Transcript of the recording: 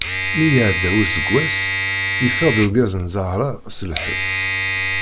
Mi iɛedda useggas, yeffeɣ-d urgaz n zahra seg lḥebs.